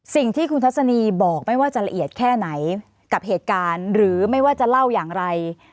สิ่งที่คุณทัศนีบอกไม่ว่าจะละเอียดแค่ไหนกับเหตุการณ์หรือไม่ว่าจะเล่าอย่างไร